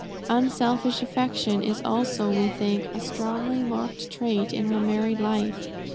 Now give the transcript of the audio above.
Unselfish affection is also, we think, a strongly marked trait in her married life.